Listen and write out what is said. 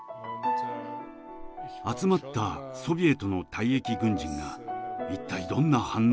集まったソビエトの退役軍人が一体どんな反応をするのか。